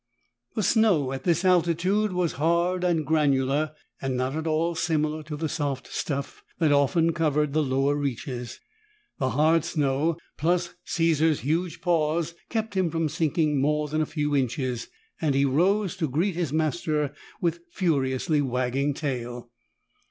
The snow at this altitude was hard and granular and not at all similar to the soft stuff that often covered the lower reaches. The hard snow, plus Caesar's huge paws, kept him from sinking more than a few inches, and he rose to greet his master with furiously wagging tail.